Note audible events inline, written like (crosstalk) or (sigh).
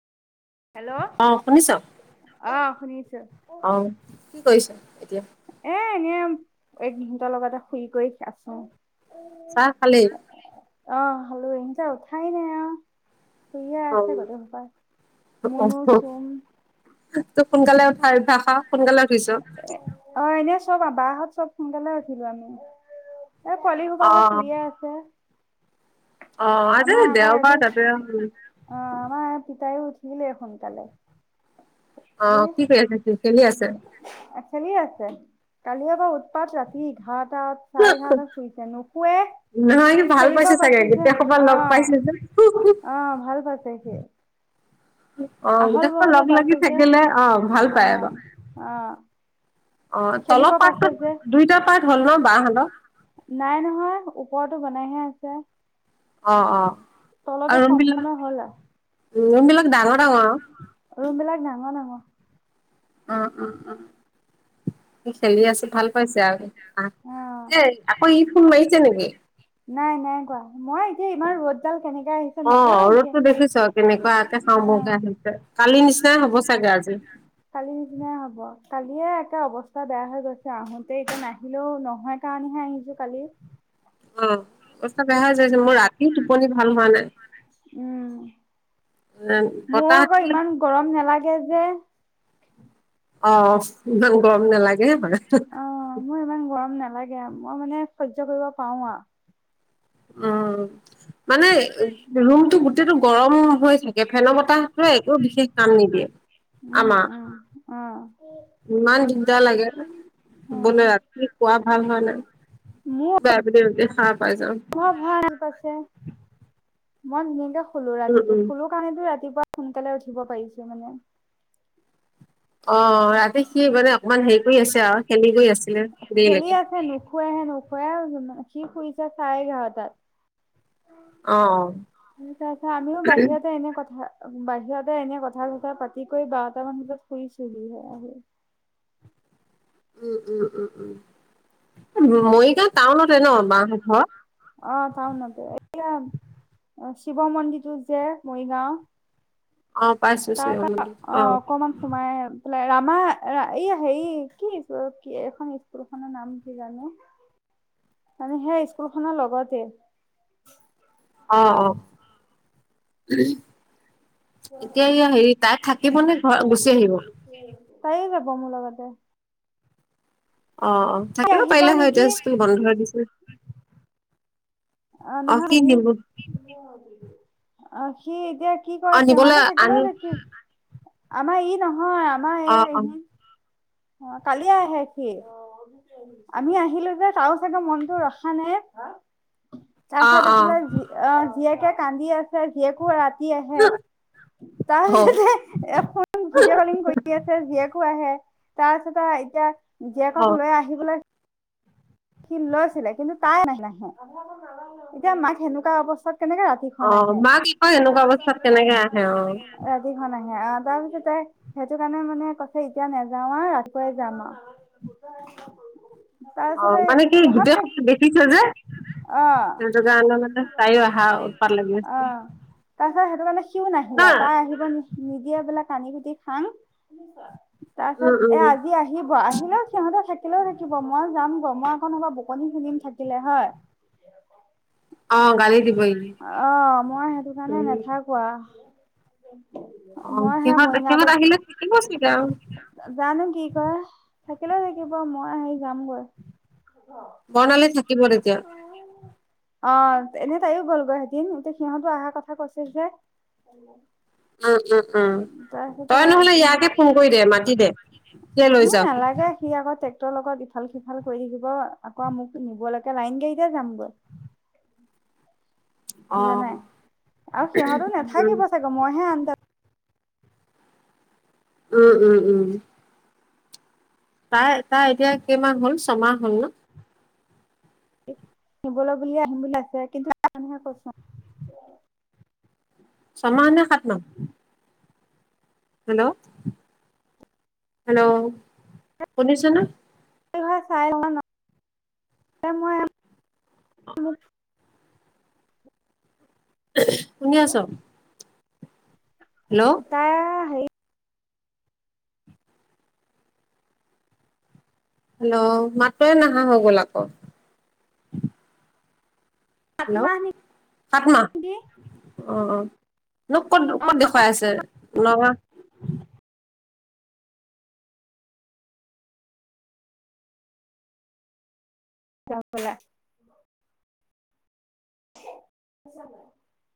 Hello অ শুনিছ অ অ শুনিছো। কি কৰিছ এতিয়া এ এনেই এহেতৰ লগতে শুই কৰি আছো। চাহ খালি? অ খালো (unintelligible) উঠাই নাই আও। শুইয়ে অ আছে গোটেই খোপাই, অ মুনো চুম। তোক সোনকালে উঠাই অভ্যাস আও সোনকালে উঠিছো। অ এনে চব বাহত চব সোনকালে উঠিলো আমি, এ পোৱালি হোপা অ সত শুইয়ে আছে। অ আজি আমাৰ আকৌ এইটো দেওবাৰ তাতে অ আমাৰ পিতায়ো উঠিলেই সোনকালে। অ সি কি কৰি আছে ত খেলি আছে খেলি আছে কালি অপা উৎপাত ৰাতি এঘাঁৰটা চাৰে এঘাৰটাত শুইছে নুশোৱে নহয় সি ভাল খেলিব পাইছে চাগে পাব যে গোটেই সোপা অ লগ পাইছে যে অ ভাল পাইছে সি অ আহল গোটেই খোপা বহলো পাইছে লাগি যে থাকিলে অ ভাল অ পায় আক অ অ খেলিব তলৰ পাইছে পাৰ্টটো যে দুইটা পাৰ্ট হ'ল ন বা হতৰ নাই নহয় ওপৰতো বনাইহে আছে অ অ তলতো আৰু ৰুম সম্পূৰ্ণ হ'ল আৰু বিলাক ৰুম বিলাক ডাঙৰ ডাঙৰ আও। ৰুম বিলাক ডাঙৰ ডাঙৰ। অ অ খেলি আছে ভাল পাইছে আও অ সি। আকৌ ই ফোন মাৰিছে নেকি? নাই নাই কোৱা, মই এতিয়া ইমান ৰ'দ ডাল অ ৰ'দতো দেখিছো কেনেকুৱাকে খাওঁ অ বওকে আহিছে। কালি নিচিনাই হ'ব চাগে আজিও। কালি নিচিনাই হব, কালিয়ে একে অৱস্থা বেয়া হৈ গৈছে আহোতেই, এতিয়া নাহিলেও নহয়। সেইকাৰণে হে আহিছোঁ কালি। অ অৱস্থা বেয়া হৈ আছে, মোৰ ৰাতি টোপনি ভাল হোৱা নাই। উম মোৰ বতাহটো আকৌ ইমান গৰম নেলাগে যে অ ইমান গৰম নেলাগে হয়। অ মোৰ ইমান গৰম নালাগে আ, মই মানে সহ্য কৰিব পাওঁ আও। অঁ মানে ৰুমতটো গোটেইটো গৰম হৈ থাকে ফেন বতাহটোৱে একো বিশেষ কাম নিদিয়ে, উম আমাৰ। উম অ ইমান দিগদাৰ লাগে, অ শুবলে ৰাতি শুৱা ভাল হোৱা নাই। বাব দেউ দে (unintelligible) বৰ ভাল পইছে মন নিদখ (unintelligible) শুলো উম ৰাতিটো উম শুলো কাৰণেতো ৰাতিপুৱা সোনকালে উঠিব পাৰিছো মানে। অ ৰাতি সি মানে অকমান হেৰি কৰি আছে আও। খেলি আছে নুশুৱে হে নুশুৱে সি শুইছে চাৰে এঘাৰটাত। অ স আছে আমিও বাহিৰতে এনে কথা। বাহিৰতে এনে কথা চথা পাতি কৰি বাৰট মান বিতৰত শুইছিলোহে আহি। উম উম উম উম মৰিগ অ চাওনতে এ (unintelligible) অ শিৱ মন্দিৰতটো যে মৰিগাঁও অ পাইছো তাৰপৰা চাগে অ অকণমান সমাই,। ৰামা এই হে কিুল কি এইখন স্কুল খনৰ নাম কি জানো (inaudible) (inaudible) মানে সেই স্কুল খনৰ লগতে আহ অ এতিয়া হেৰি তাই থাকিব নে ঘৰত গুচি আহিব তাই যাব মোলগতে (unintelligible) অ অ থাকিব আহিব পাৰিলে হয় এতিয়া নেকি স্কুল বন্ধ হৈ দিছে। (unintelligible) অ সি নহয় নিব (unintelligible) সি এতিয়া কি অ কয় নিবলৈ সিহঁতেো আনি থাকিলেও দেখি আমাৰ ই নহয়। ন আমাৰ অ এই অ অ কালিয় আহে সি, আমি আহিলো যে তো চাগে মনটো ৰখা নাই। অ তাৰ্ছা অ দেখালে অ জীয়েকে কান্দি আছে জীয়েকো ৰাতি। অ তাৰপিছতে এ ফোন ভিডিঅ' কলিং কৰি আছে। আহে তাৰ পিছতে এতিয়া অ জীয়েকক লৈ আহিবলৈ সি লৈছিলে কিন্তু তাই নাহ নাহে এতিয়া মাক সেনেকুৱা অৱস্থাত কেনেকে অ ৰাতিখন আহে মাক আকৌ এনেকুৱা অৱস্থাত কেনেকে আহে অ ৰাতিখন আহে। তাৰ পিছত তাই সেইটো কাৰণে মানে কৈছে এতিয়া নাযাও আৰু ৰাতিপুৱাই যাম আৰু, অ তাৰপিছতে মানে কি সিহঁত গোটেই থাক (unintelligible) দেখিছে যে। অ (unintelligible) তাই অহা উপাৰ লাগে অ আছে। সেইটো কাৰানে সিও নাহিলা নহয় তাই আহিব নিদিয়া বোলে কানি কুটি খাং তাৰ পিছত উম উম এ আজি আহিব আহিলেও সিহতে থাকিলেও থাকিব মই যাম। মই হব বুকনি সুনিম থাকিলে হয়। অ গালি দিব ই অ মই সেইটো কাৰণে উম নাথাক কোৱা অ মই সেয়া সিহঁত সিহঁত আহিলে থাকিব চাগে আৰু মৰিগাঁৱতে জানো কি কৰে থাকিলে থাকিব মই আহি যামগৈ। বনালে থাকিব এতিয়া অ এনে তাইও গ'লগৈ সেদিন এতিয়া সিহঁতো অহাৰ কথা কৈছে যে উম উম উম তাৰপিছতে তই নহলে সি ইয়াকে ফোন কৰি দে মাতি দে সিয়ে লৈ এ যাওক নালাগে সি আকৌ ট্ৰেক্টৰৰ লগত ইফাল সিফাল কৰি থাকিব আকৌ মোক নিব লাগে। এয়া লাইন কেইটা যাম গৈ অ বুজানাই আৰু সিহঁতো উম নাথাকিব চাগে মইহে আন। উম উম উম তাই তাৰ এতিয়া কেইমাহ হল ছমাহ হ'ল ন নিবলৈ বুলিয় আহিম বুলি ভাইছে কিন্তু তহে কৈচোন। (unintelligible) চামা নে সাত মা (unintelligible) হেল্ল' হেল্ল' শুনিছে নে চাই ন মই অ শুনি আছ হেল্ল' তাই সেই হেল্ল' মাতটোৱে নাহা হৈ গ'ল আকৌ সাত হেল্ল' মাহ সাত ন নেকি অ অ মোক ক'ত অ ক'ত দেখুৱাই আছে নগাঁও (unintelligible) (unintelligible)